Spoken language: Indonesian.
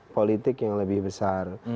politik yang lebih besar